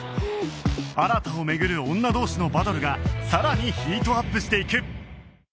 新を巡る女同士のバトルがさらにヒートアップしていく